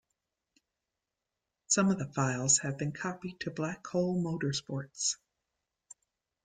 Some of the files have been copied to Blackhole Motorsports.